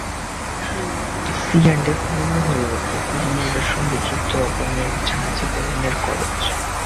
C&F মূল্য হলো প্রকৃত মূল্যের সঙ্গে যুক্ত হওয়া পণ্যের জাহাজীকরণের খরচ।